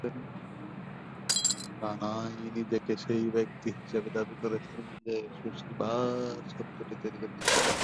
কানাই নিজেকে সেই ব্যক্তি হিসাবে দাবি করেছেন যে "সুশি বার" শব্দটি তৈরি করেছিলেন।